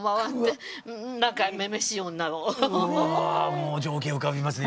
もう情景浮かびますね